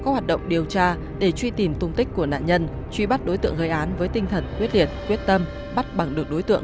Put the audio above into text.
quyết liệt quyết tâm bắt bằng được đối tượng